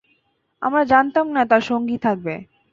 আমরা জানতাম না তার সঙ্গী থাকবে।